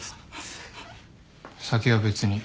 酒は別に。